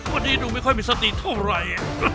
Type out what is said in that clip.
วันนี้ดูไม่ค่อยมีสติเท่าไหร่